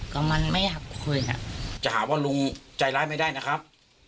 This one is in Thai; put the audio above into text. ก็มันไม่อยากคุยนะจะหาว่าลุงใจร้ายไม่ได้นะครับ